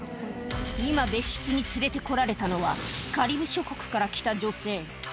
今、別室に連れてこられたのは、カリブ諸国から来た女性。